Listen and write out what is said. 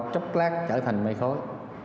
chấp lát trở thành mây khói